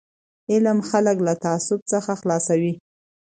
علم خلک له تعصب څخه خلاصوي.